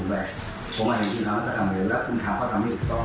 ผมไม่เห็นว่าคุณจะทำอะไรแล้วแล้วคุณถามว่าทำไม่ถูกต้อง